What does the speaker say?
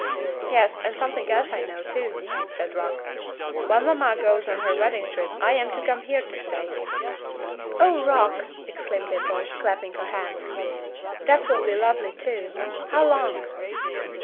"Yes, and something else I know, too," said Rock. "While mamma goes on her wedding trip I am to come here to stay." "Oh! Rock," exclaimed Dimple, clapping her hands, "that will be lovely, too. How long?"